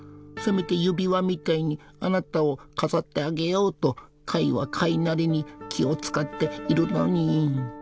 せめて指輪みたいにあなたを飾ってあげようと貝は貝なりに気を遣っているのに。